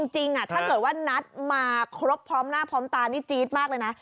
ถ้าเกิดว่านัดมาครบพร้อมหน้าพร้อมตานี่จี๊ดมากเลยนะ